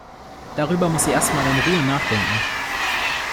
Darüber muss sie erst mal in Ruhe nachdenken.